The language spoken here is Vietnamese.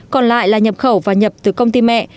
còn lại là nhập khẩu và nhập từ công ty mẹ